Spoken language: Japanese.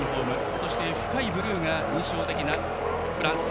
そして深いブルーが印象的なフランス。